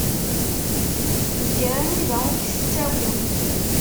Zger anida ur k-yettawi.